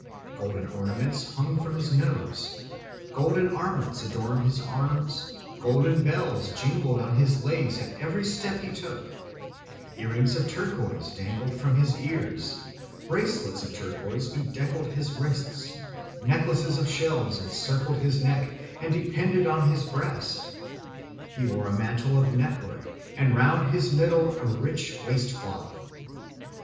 Golden ornaments hung from his nose, golden armlets adorned his arms, golden bells jingled on his legs at every step he took; earrings of turquoise dangled from his ears, bracelets of turquoise bedecked his wrists; necklaces of shells encircled his neck and depended on his breast; he wore a mantle of network, and round his middle a rich waistcloth.